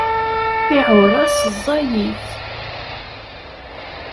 Iɛuṛas ẓẓayit.